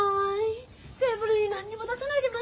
テーブルに何にも出さないで待ってたんだ。